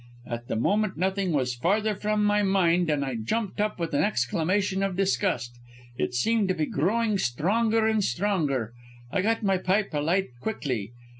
At the moment nothing was farther from my mind, and I jumped up with an exclamation of disgust. It seemed to be growing stronger and stronger. I got my pipe alight quickly.